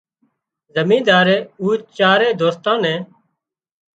امينۮارئي او چارئي دوستان نين